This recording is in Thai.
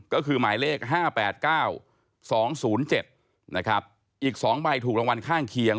ก็คือหมายเลข๕๘๙๒๐๗นะครับอีก๒ใบถูกรางวัลข้างเคียง